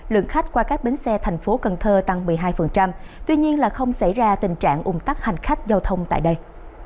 lượng khách qua các bến xe tp cn tăng một mươi hai tuy nhiên là không xảy ra tình trạng ung tắc hành khách giao thông tại đây